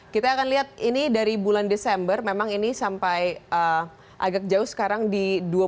kita akan lihat ini dari bulan desember memang ini sampai agak jauh sekarang di dua ribu dua puluh